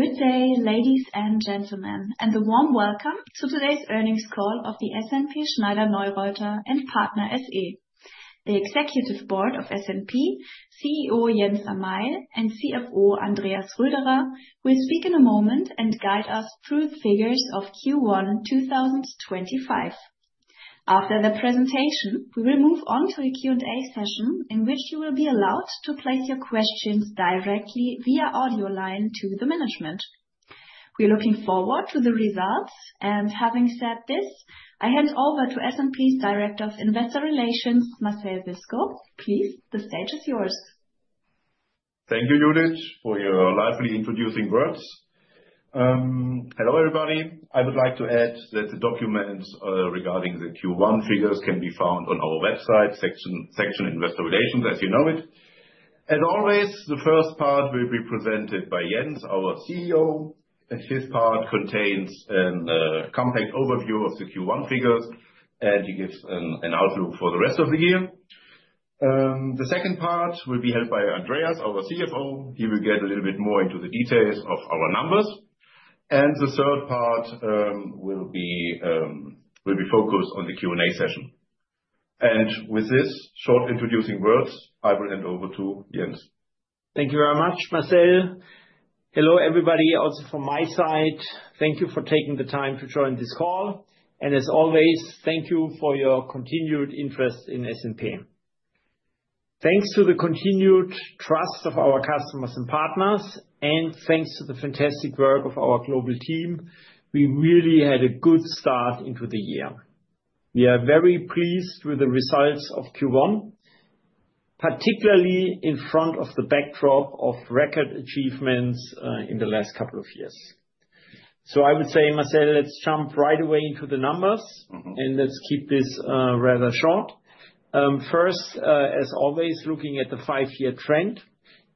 Good day, ladies and gentlemen, and a warm welcome to today's earnings call of SNP Schneider-Neureither & Partner SE. The Executive Board of SNP, CEO Jens Amail and CFO Andreas Röderer, will speak in a moment and guide us through the figures of Q1 2025. After the presentation, we will move on to the Q&A session, in which you will be allowed to place your questions directly via audio line to the management. We're looking forward to the results, and having said this, I hand over to SNP's Director of Investor Relations, Marcel Wiskow. Please, the stage is yours. Thank you, Judith, for your lively introducing words. Hello, everybody. I would like to add that the documents regarding the Q1 figures can be found on our website, section Investor Relations, as you know it. As always, the first part will be presented by Jens, our CEO. His part contains a compact overview of the Q1 figures, and he gives an outlook for the rest of the year. The second part will be held by Andreas, our CFO. He will get a little bit more into the details of our numbers. The third part will be focused on the Q&A session. With these short introducing words, I will hand over to Jens. Thank you very much, Marcel. Hello, everybody, also from my side. Thank you for taking the time to join this call. As always, thank you for your continued interest in SNP. Thanks to the continued trust of our customers and partners, and thanks to the fantastic work of our global team, we really had a good start into the year. We are very pleased with the results of Q1, particularly in front of the backdrop of record achievements in the last couple of years. I would say, Marcel, let's jump right away into the numbers, and let's keep this rather short. First, as always, looking at the five-year trend,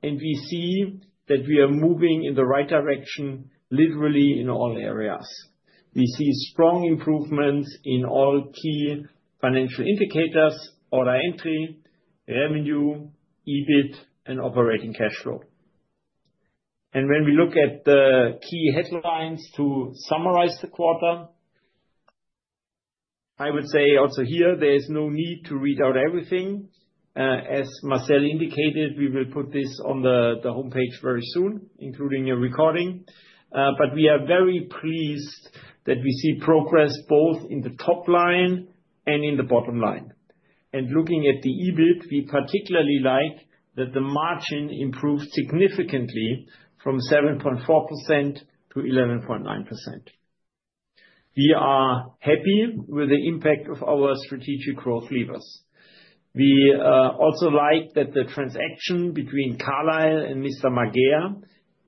we see that we are moving in the right direction, literally in all areas. We see strong improvements in all key financial indicators: order entry, revenue, EBIT, and operating cash flow. When we look at the key headlines to summarize the quarter, I would say also here there is no need to read out everything. As Marcel indicated, we will put this on the homepage very soon, including a recording. We are very pleased that we see progress both in the top line and in the bottom line. Looking at the EBIT, we particularly like that the margin improved significantly from 7.4% to 11.9%. We are happy with the impact of our strategic growth levers. We also like that the transaction between Carlyle and Mr. Marguerre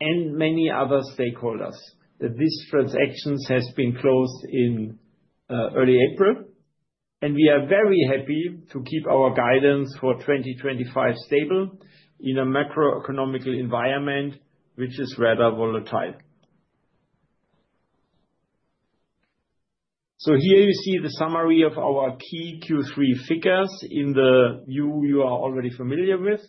and many other stakeholders, that this transaction has been closed in early April. We are very happy to keep our guidance for 2025 stable in a macroeconomical environment, which is rather volatile. Here you see the summary of our key Q3 figures in the view you are already familiar with.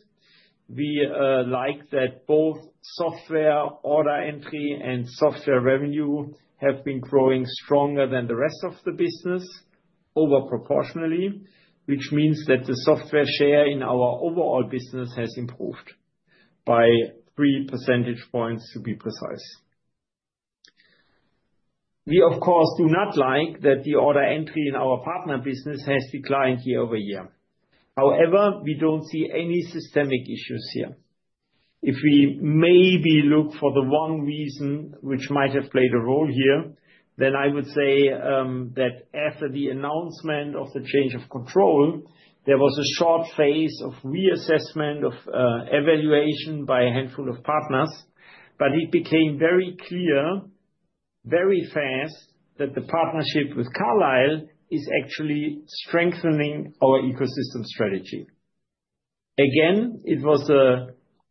We like that both software order entry and software revenue have been growing stronger than the rest of the business overproportionally, which means that the software share in our overall business has improved by three percentage points to be precise. We, of course, do not like that the order entry in our partner business has declined year-over-year. However, we don't see any systemic issues here. If we maybe look for the one reason which might have played a role here, then I would say that after the announcement of the change of control, there was a short phase of reassessment of evaluation by a handful of partners, but it became very clear, very fast, that the partnership with Carlyle is actually strengthening our ecosystem strategy. Again, it was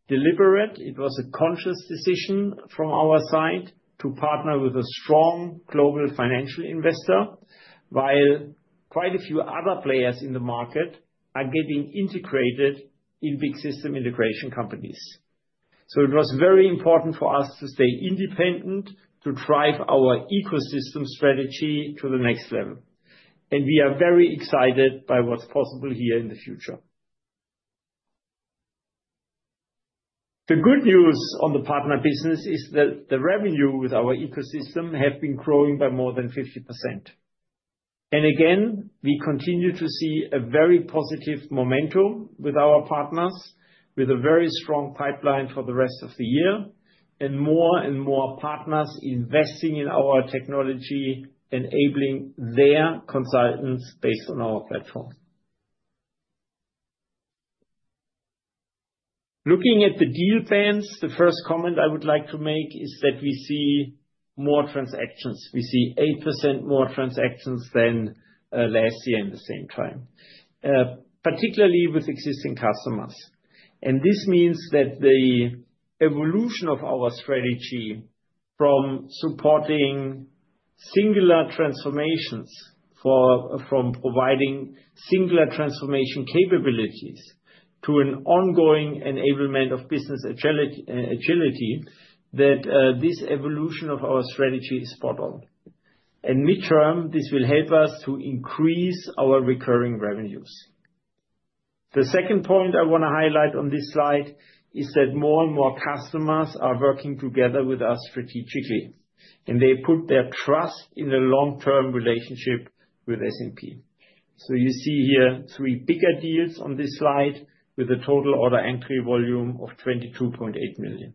deliberate. It was a conscious decision from our side to partner with a strong global financial investor, while quite a few other players in the market are getting integrated in big system integration companies. It was very important for us to stay independent, to drive our ecosystem strategy to the next level. We are very excited by what's possible here in the future. The good news on the partner business is that the revenue with our ecosystem has been growing by more than 50%. We continue to see a very positive momentum with our partners, with a very strong pipeline for the rest of the year, and more and more partners investing in our technology, enabling their consultants based on our platform. Looking at the deal bans, the first comment I would like to make is that we see more transactions. We see 8% more transactions than last year in the same time, particularly with existing customers. This means that the evolution of our strategy from supporting singular transformations, from providing singular transformation capabilities to an ongoing enablement of business agility, that this evolution of our strategy is spot on. Midterm, this will help us to increase our recurring revenues. The second point I want to highlight on this slide is that more and more customers are working together with us strategically, and they put their trust in a long-term relationship with SNP. You see here three bigger deals on this slide with a total order entry volume of 22.8 million.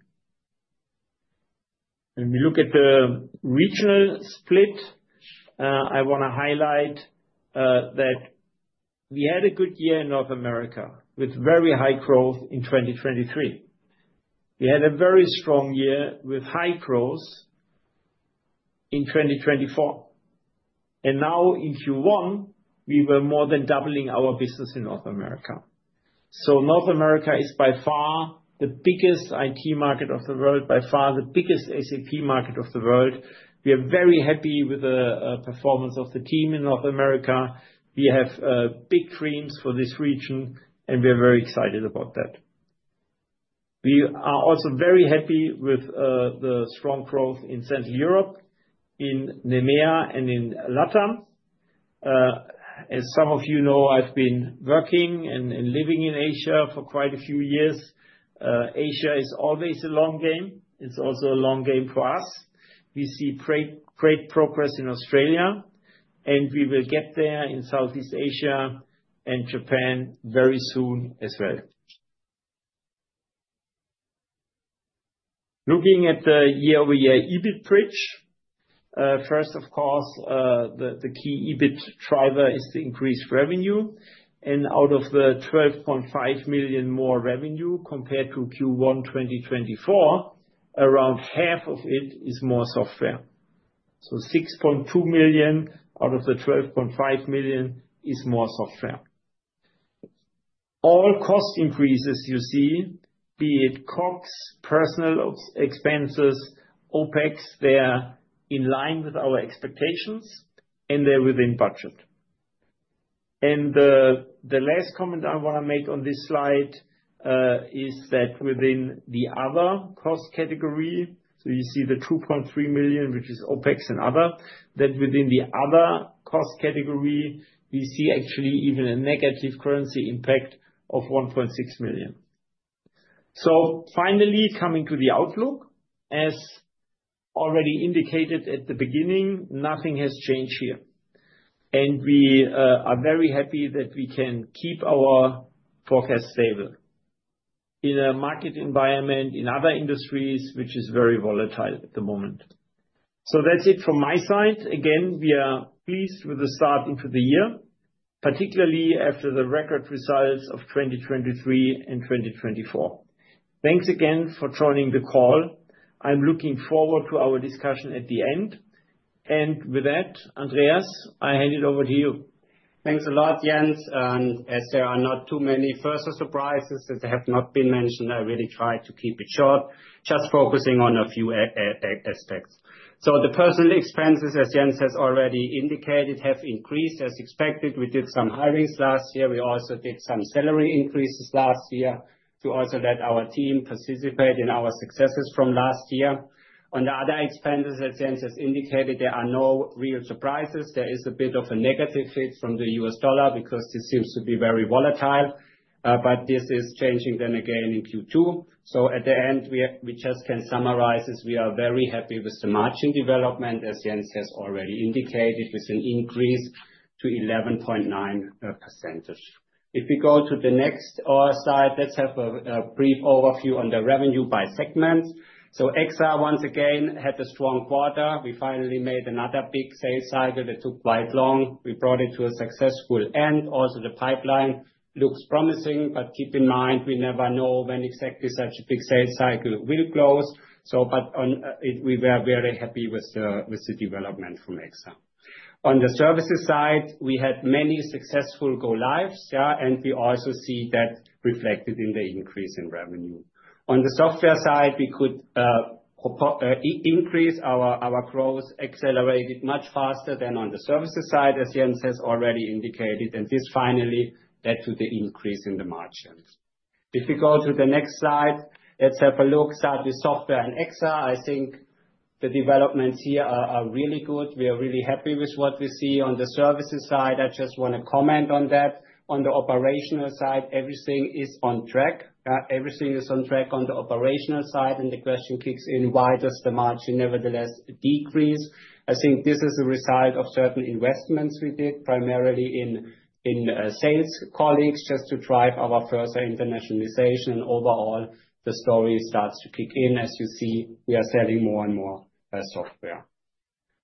When we look at the regional split, I want to highlight that we had a good year in North America with very high growth in 2023. We had a very strong year with high growth in 2024. In Q1, we were more than doubling our business in North America. North America is by far the biggest IT market of the world, by far the biggest SAP market of the world. We are very happy with the performance of the team in North America. We have big dreams for this region, and we are very excited about that. We are also very happy with the strong growth in Central Europe, in EMEA, and in LATAM. As some of you know, I have been working and living in Asia for quite a few years. Asia is always a long game. It is also a long game for us. We see great progress in Australia, and we will get there in Southeast Asia and Japan very soon as well. Looking at the year-over-year EBIT bridge, first, of course, the key EBIT driver is the increased revenue. Out of the 12.5 million more revenue compared to Q1 2024, around half of it is more software. 6.2 million out of the 12.5 million is more software. All cost increases you see, be it COGS, personnel expenses, OpEx, they are in line with our expectations, and they are within budget. The last comment I want to make on this slide is that within the other cost category, so you see the 2.3 million, which is OpEx and other, that within the other cost category, we see actually even a negative currency impact of 1.6 million. Finally, coming to the outlook, as already indicated at the beginning, nothing has changed here. We are very happy that we can keep our forecast stable in a market environment in other industries, which is very volatile at the moment. That is it from my side. Again, we are pleased with the start into the year, particularly after the record results of 2023 and 2024. Thanks again for joining the call. I am looking forward to our discussion at the end. With that, Andreas, I hand it over to you. Thanks a lot, Jens. As there are not too many further surprises that have not been mentioned, I really tried to keep it short, just focusing on a few aspects. The personal expenses, as Jens has already indicated, have increased as expected. We did some hirings last year. We also did some salary increases last year to also let our team participate in our successes from last year. On the other expenses, as Jens has indicated, there are no real surprises. There is a bit of a negative hit from the US dollar because this seems to be very volatile, but this is changing then again in Q2. At the end, we just can summarize as we are very happy with the margin development, as Jens has already indicated, with an increase to 11.9%. If we go to the next slide, let's have a brief overview on the revenue by segments. EXA once again had a strong quarter. We finally made another big sales cycle that took quite long. We brought it to a successful end. Also, the pipeline looks promising, but keep in mind, we never know when exactly such a big sales cycle will close. We were very happy with the development from EXA. On the services side, we had many successful go-lives, and we also see that reflected in the increase in revenue. On the software side, we could increase our growth, accelerated much faster than on the services side, as Jens has already indicated, and this finally led to the increase in the margins. If we go to the next slide, let's have a look at the software and EXA. I think the developments here are really good. We are really happy with what we see. On the services side, I just want to comment on that. On the operational side, everything is on track. Everything is on track on the operational side. The question kicks in, why does the margin nevertheless decrease? I think this is a result of certain investments we did primarily in sales colleagues just to drive our further internationalization. Overall, the story starts to kick in. As you see, we are selling more and more software.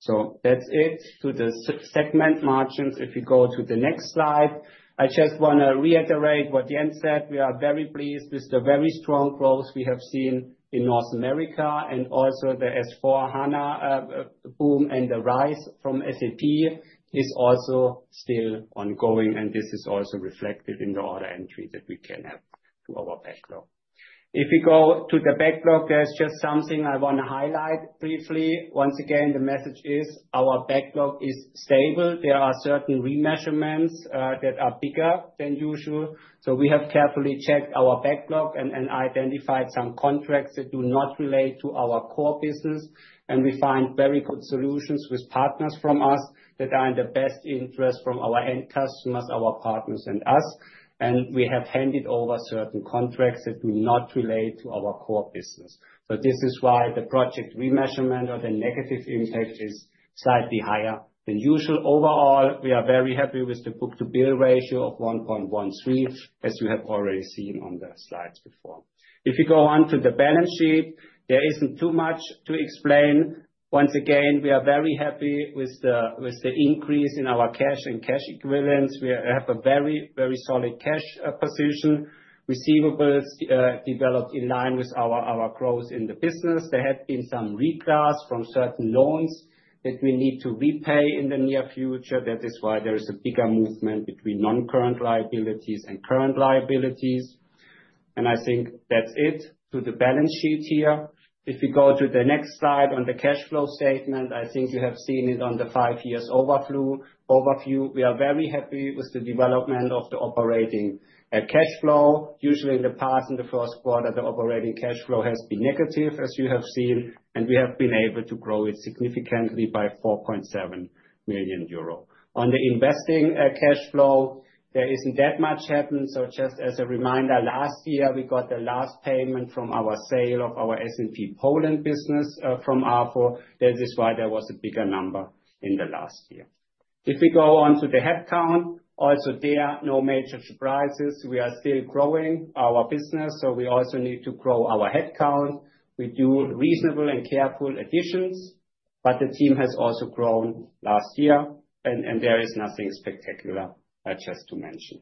That is it to the segment margins. If we go to the next slide, I just want to reiterate what Jens said. We are very pleased with the very strong growth we have seen in North America and also the S/4HANA boom and the rise from SAP is also still ongoing. This is also reflected in the order entry that we can have to our backlog. If we go to the backlog, there is just something I want to highlight briefly. Once again, the message is our backlog is stable. There are certain remeasurements that are bigger than usual. We have carefully checked our backlog and identified some contracts that do not relate to our core business. We find very good solutions with partners from us that are in the best interest from our end customers, our partners, and us. We have handed over certain contracts that do not relate to our core business. This is why the project remeasurement or the negative impact is slightly higher than usual. Overall, we are very happy with the book-to-bill ratio of 1.13, as you have already seen on the slides before. If we go on to the balance sheet, there is not too much to explain. Once again, we are very happy with the increase in our cash and cash equivalents. We have a very, very solid cash position. Receivables developed in line with our growth in the business. There have been some reclass from certain loans that we need to repay in the near future. That is why there is a bigger movement between non-current liabilities and current liabilities. I think that is it to the balance sheet here. If we go to the next slide on the cash flow statement, I think you have seen it on the five-year overview. We are very happy with the development of the operating cash flow. Usually, in the past, in the first quarter, the operating cash flow has been negative, as you have seen, and we have been able to grow it significantly by 4.7 million euro. On the investing cash flow, there is not that much happened. Just as a reminder, last year, we got the last payment from our sale of our SNP Poland business from AFO. That is why there was a bigger number in the last year. If we go on to the headcount, also there, no major surprises. We are still growing our business, so we also need to grow our headcount. We do reasonable and careful additions, but the team has also grown last year, and there is nothing spectacular just to mention.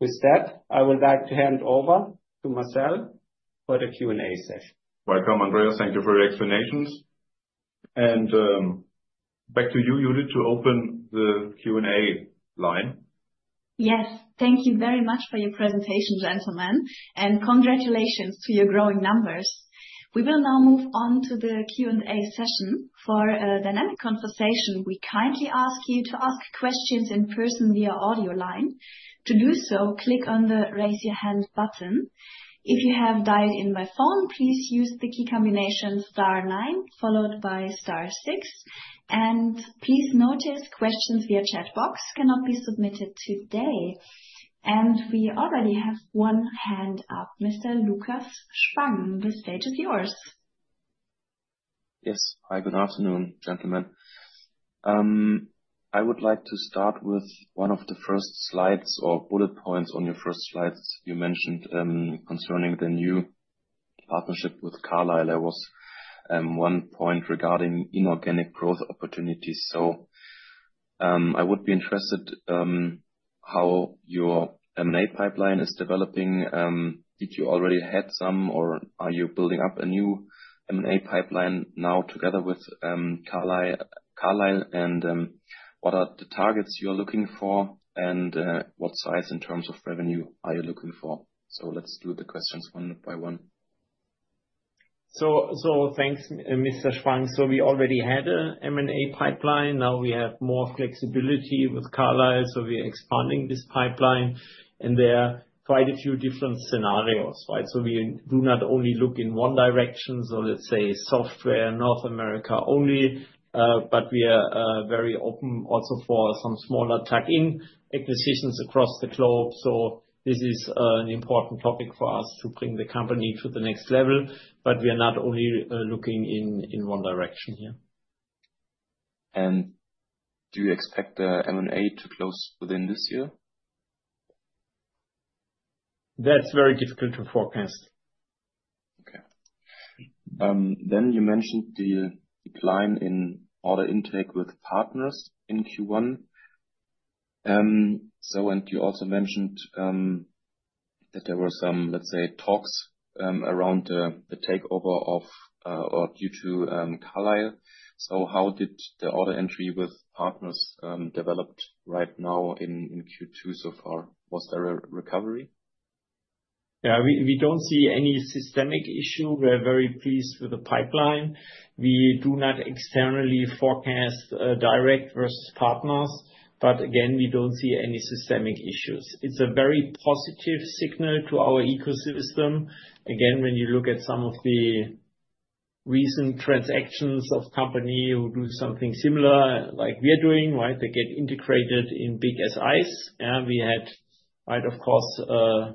With that, I would like to hand over to Marcel for the Q&A session. Welcome, Andreas. Thank you for your explanations. Back to you, Judith, to open the Q&A line. Yes, thank you very much for your presentation, gentlemen, and congratulations to your growing numbers. We will now move on to the Q&A session. For a dynamic conversation, we kindly ask you to ask questions in person via audio line. To do so, click on the raise your hand button. If you have dialed in by phone, please use the key combination star nine followed by star six. Please notice questions via chat box cannot be submitted today. We already have one hand up, Mr. Lukas Spang. The stage is yours. Yes. Hi, good afternoon, gentlemen. I would like to start with one of the first slides or bullet points on your first slides you mentioned concerning the new partnership with Carlyle. There was one point regarding inorganic growth opportunities. I would be interested in how your M&A pipeline is developing. Did you already have some, or are you building up a new M&A pipeline now together with Carlyle? What are the targets you are looking for, and what size in terms of revenue are you looking for? Let's do the questions one by one. Thanks, Mr. Spang. We already had an M&A pipeline. Now we have more flexibility with Carlyle, so we are expanding this pipeline. There are quite a few different scenarios, right? We do not only look in one direction. Let's say software, North America only, but we are very open also for some smaller tuck-in acquisitions across the globe. This is an important topic for us to bring the company to the next level, but we are not only looking in one direction here. Do you expect the M&A to close within this year? That's very difficult to forecast. Okay. You mentioned the decline in order intake with partners in Q1. You also mentioned that there were some, let's say, talks around the takeover due to Carlyle. How did the order entry with partners develop right now in Q2 so far? Was there a recovery? Yeah, we do not see any systemic issue. We are very pleased with the pipeline. We do not externally forecast direct versus partners, but again, we do not see any systemic issues. It is a very positive signal to our ecosystem. Again, when you look at some of the recent transactions of companies who do something similar like we are doing, right, they get integrated in big SIs. We had, of course,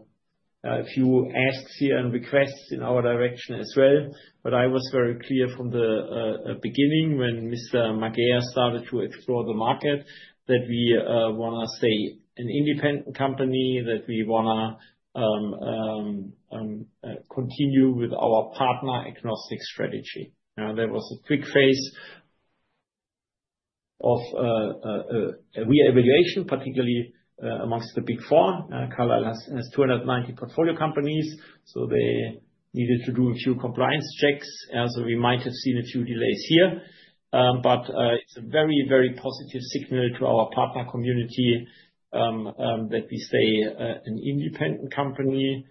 a few asks here and requests in our direction as well. I was very clear from the beginning when Mr. Marguerre started to explore the market that we want to stay an independent company, that we want to continue with our partner-agnostic strategy. There was a quick phase of re-evaluation, particularly amongst the Big Four. Carlyle has 290 portfolio companies, so they needed to do a few compliance checks. We might have seen a few delays here. It is a very, very positive signal to our partner community that we stay an independent company.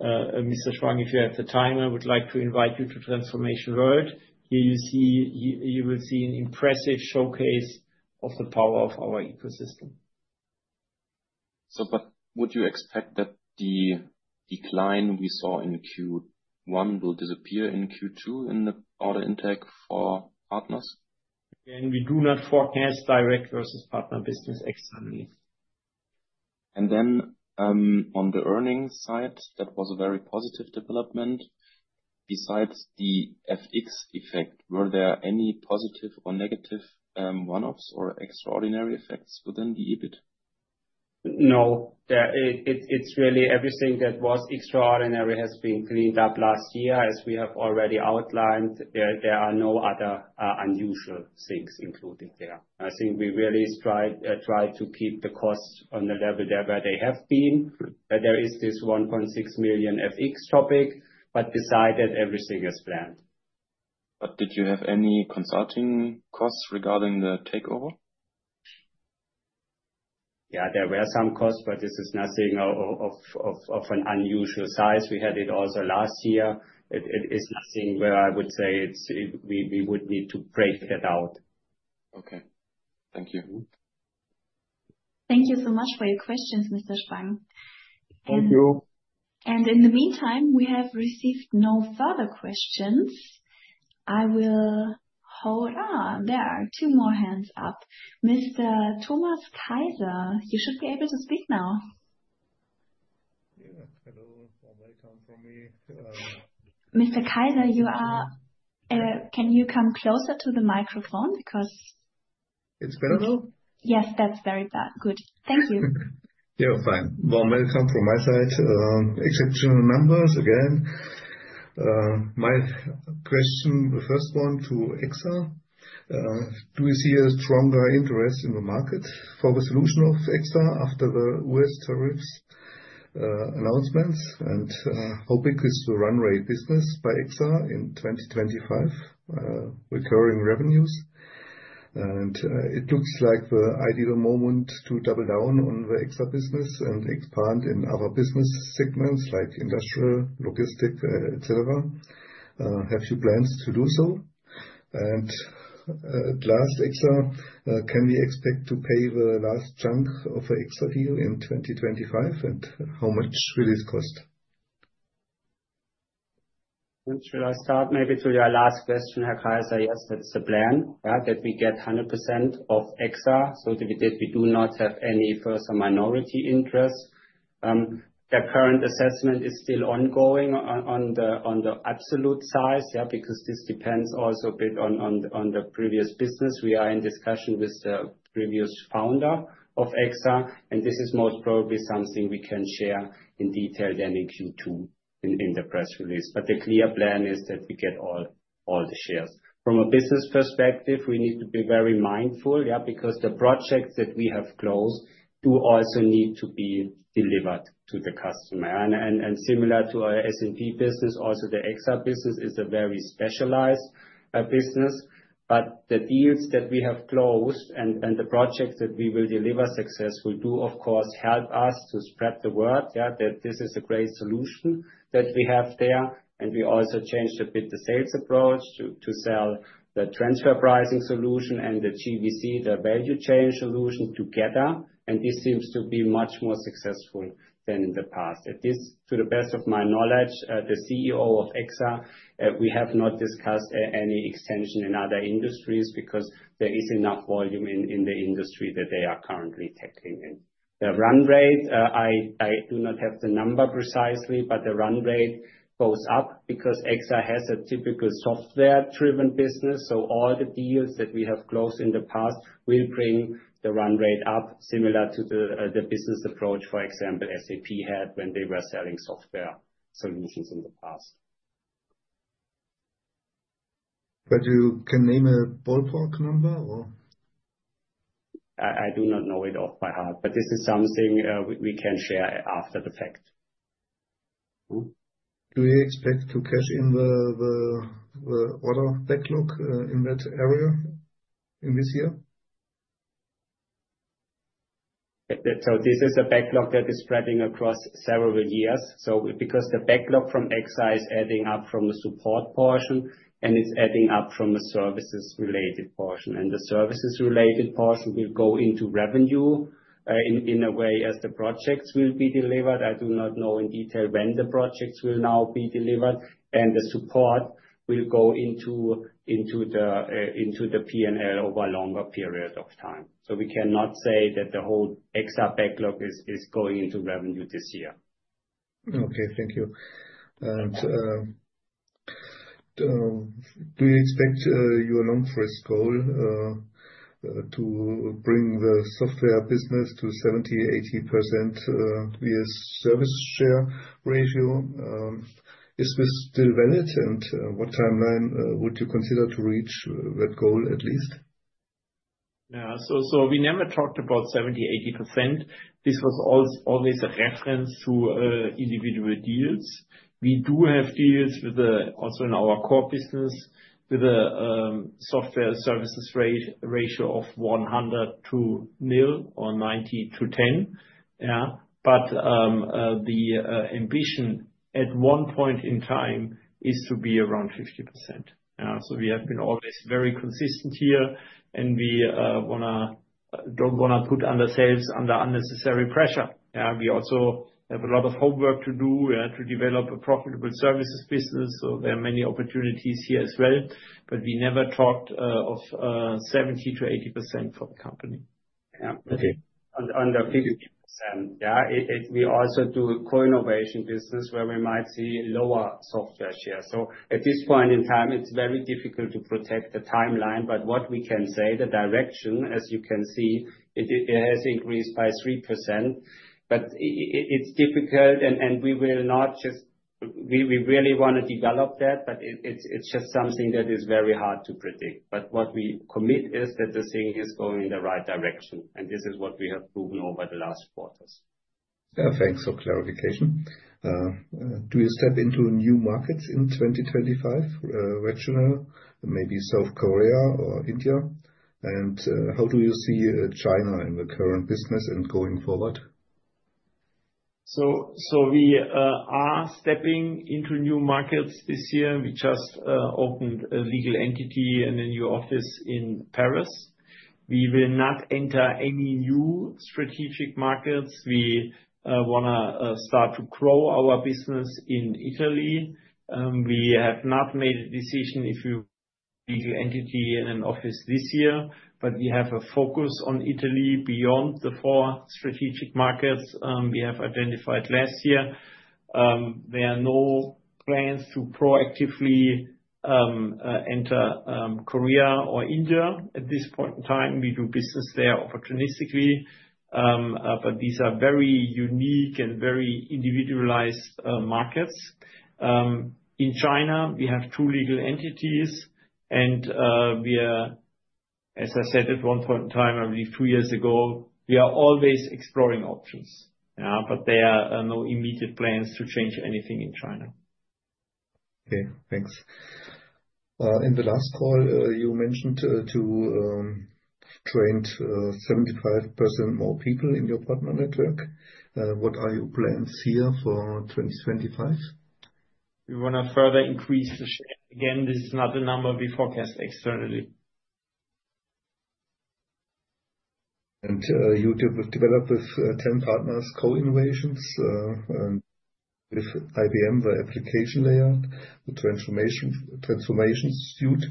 Mr. Spang, if you have the time, I would like to invite you to Transformation World. Here you will see an impressive showcase of the power of our ecosystem. Would you expect that the decline we saw in Q1 will disappear in Q2 in the order intake for partners? Again, we do not forecast direct versus partner business externally. On the earnings side, that was a very positive development. Besides the FX effect, were there any positive or negative one-offs or extraordinary effects within the EBIT? No. It's really everything that was extraordinary has been cleaned up last year. As we have already outlined, there are no other unusual things included there. I think we really tried to keep the costs on the level there where they have been. There is this 1.6 million FX topic, but beside that, everything is planned. Did you have any consulting costs regarding the takeover? Yeah, there were some costs, but this is nothing of an unusual size. We had it also last year. It is nothing where I would say we would need to break that out. Okay. Thank you. Thank you so much for your questions, Mr. Spang. Thank you. In the meantime, we have received no further questions. I will hold on. There are two more hands up. Mr. Thomas Kaiser, you should be able to speak now. Hello. Welcome from me. Mr. Kaiser, can you come closer to the microphone because. it better now? Yes, that's very good. Thank you. Yeah, fine. Welcome from my side. Exceptional numbers again. My question, the first one to EXA, do you see a stronger interest in the market for the solution of EXA after the U.S. tariffs announcements? How big is the runway business by EXA in 2025 recurring revenues? It looks like the ideal moment to double down on the EXA business and expand in other business segments like industrial, logistic, etc. Have you plans to do so? Last, EXA, can we expect to pay the last chunk of the EXA deal in 2025? How much will it cost? Should I start maybe to your last question, here Kaiser? Yes, that's the plan that we get 100% of EXA so that we do not have any further minority interest. The current assessment is still ongoing on the absolute size because this depends also a bit on the previous business. We are in discussion with the previous founder of EXA, and this is most probably something we can share in detail then in Q2 in the press release. The clear plan is that we get all the shares. From a business perspective, we need to be very mindful because the projects that we have closed do also need to be delivered to the customer. Similar to our SNP business, also the EXA business is a very specialized business. The deals that we have closed and the projects that we will deliver successfully do, of course, help us to spread the word that this is a great solution that we have there. We also changed a bit the sales approach to sell the transfer pricing solution and the GVC, the value chain solution, together. This seems to be much more successful than in the past. To the best of my knowledge, the CEO of EXA, we have not discussed any extension in other industries because there is enough volume in the industry that they are currently tackling. The run rate, I do not have the number precisely, but the run rate goes up because EXA has a typical software-driven business. All the deals that we have closed in the past will bring the run rate up similar to the business approach, for example, SAP had when they were selling software solutions in the past. Can you name a ballpark number or? I do not know it off by heart, but this is something we can share after the fact. Do you expect to cash in the order backlog in that area in this year? This is a backlog that is spreading across several years. Because the backlog from EXA is adding up from the support portion, and it is adding up from a services-related portion. The services-related portion will go into revenue in a way as the projects will be delivered. I do not know in detail when the projects will now be delivered. The support will go into the P&L over a longer period of time. We cannot say that the whole EXA backlog is going into revenue this year. Okay, thank you. Do you expect your long-term goal to bring the software business to 70%-80% vs service share ratio? Is this still valid? What timeline would you consider to reach that goal at least? Yeah. We never talked about 70%-80%. This was always a reference to individual deals. We do have deals also in our core business with a software services ratio of 100/nil or 90/10. The ambition at one point in time is to be around 50%. We have been always very consistent here, and we do not want to put ourselves under unnecessary pressure. We also have a lot of homework to do to develop a profitable services business. There are many opportunities here as well. We never talked of 70%-80% for the company. Yeah. Okay. Under 50%. Yeah. We also do a co-innovation business where we might see lower software share. At this point in time, it is very difficult to predict the timeline. What we can say, the direction, as you can see, it has increased by 3%. It is difficult, and we really want to develop that, but it is just something that is very hard to predict. What we commit is that the thing is going in the right direction. This is what we have proven over the last quarters. Yeah, thanks for clarification. Do you step into new markets in 2025, regional, maybe South Korea or India? How do you see China in the current business and going forward? We are stepping into new markets this year. We just opened a legal entity and a new office in Paris. We will not enter any new strategic markets. We want to start to grow our business in Italy. We have not made a decision if we will be a legal entity and an office this year, but we have a focus on Italy beyond the four strategic markets we have identified last year. There are no plans to proactively enter Korea or India at this point in time. We do business there opportunistically, but these are very unique and very individualized markets. In China, we have two legal entities, and we are, as I said, at one point in time, I believe two years ago, we are always exploring options. There are no immediate plans to change anything in China. Okay, thanks. In the last call, you mentioned to train 75% more people in your partner network. What are your plans here for 2025? We want to further increase the share. Again, this is not the number we forecast externally. You develop with 10 partners co-innovations with IBM, the application layout, the Transformation Suite.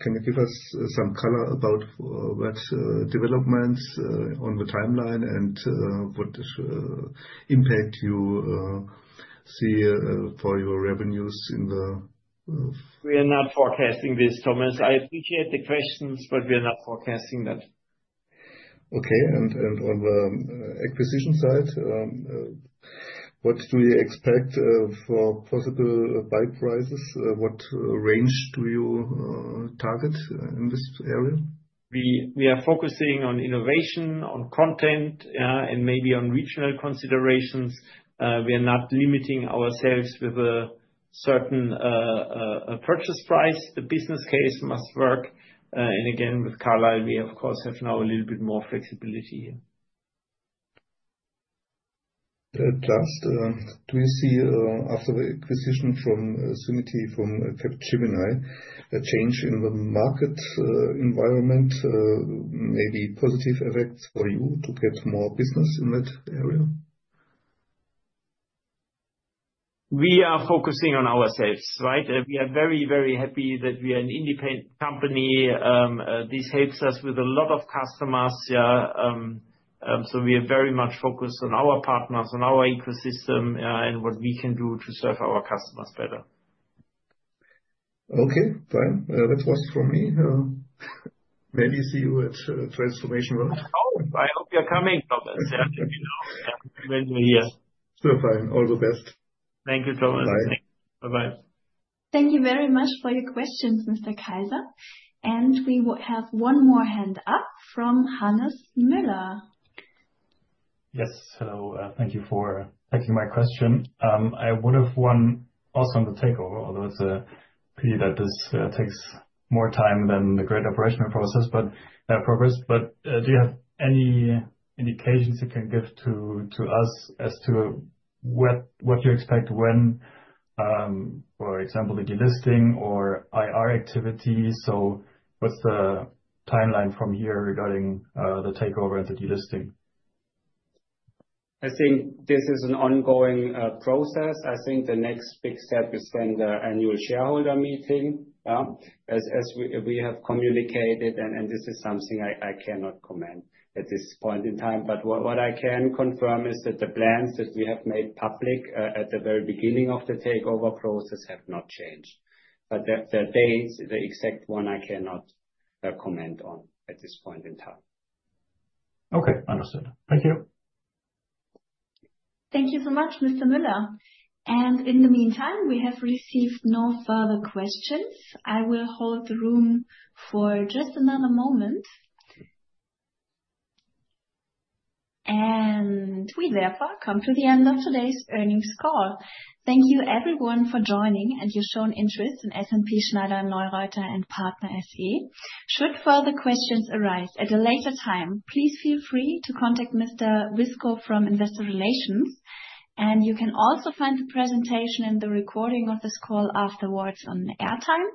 Can you give us some color about what developments on the timeline and what impact you see for your revenues in the? We are not forecasting this, Thomas. I appreciate the questions, but we are not forecasting that. Okay. On the acquisition side, what do you expect for possible buy prices? What range do you target in this area? We are focusing on innovation, on content, and maybe on regional considerations. We are not limiting ourselves with a certain purchase price. The business case must work. Again, with Carlyle, we, of course, have now a little bit more flexibility here. Last, do you see after the acquisition from Sumiti, from Gemini, a change in the market environment, maybe positive effects for you to get more business in that area? We are focusing on ourselves, right? We are very, very happy that we are an independent company. This helps us with a lot of customers. We are very much focused on our partners, on our ecosystem, and what we can do to serve our customers better. Okay, fine. That was from me. Maybe see you at Transformation World. Of course. I hope you're coming, Thomas. Let me know when you're here. All the best. Thank you, Thomas. Thanks. Bye-bye. Thank you very much for your questions, Mr. Kaiser. We have one more hand up from Hannes Mueller. Yes. Hello. Thank you for taking my question. I would have one also on the takeover, although it's a pity that this takes more time than the great operational process, but progress. Do you have any indications you can give to us as to what you expect when, for example, the delisting or IR activity? What's the timeline from here regarding the takeover and the delisting? I think this is an ongoing process. I think the next big step is then the annual shareholder meeting. As we have communicated, and this is something I cannot comment at this point in time. What I can confirm is that the plans that we have made public at the very beginning of the takeover process have not changed. The dates, the exact one, I cannot comment on at this point in time. Okay. Understood. Thank you. Thank you so much, Mr. Mueller. In the meantime, we have received no further questions. I will hold the room for just another moment. We therefore come to the end of today's earnings call. Thank you, everyone, for joining and your shown interest in SNP Schneider-Neureither & Partner SE. Should further questions arise at a later time, please feel free to contact Mr. Wiskow from Investor Relations. You can also find the presentation and the recording of this call afterwards on airtime.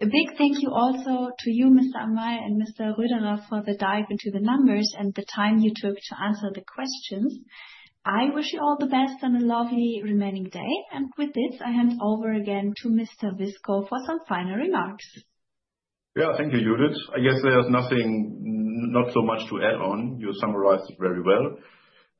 A big thank you also to you, Mr. Amail and Mr. Röderer, for the dive into the numbers and the time you took to answer the questions. I wish you all the best and a lovely remaining day. With this, I hand over again to Mr. Wiskow for some final remarks. Yeah, thank you, Judith. I guess there's nothing not so much to add on. You summarized it very well.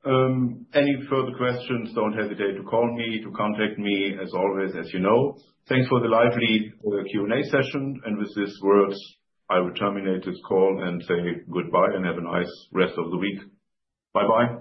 Any further questions, don't hesitate to call me, to contact me, as always, as you know. Thanks for the lively Q&A session. With these words, I will terminate this call and say goodbye and have a nice rest of the week. Bye-bye.